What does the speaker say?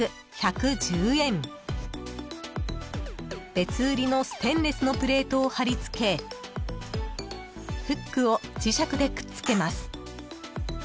［別売りのステンレスのプレートを貼り付けフックを磁石でくっつけます］